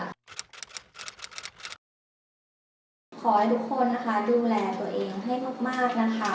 ขอให้ทุกคนนะคะดูแลตัวเองให้มากนะคะ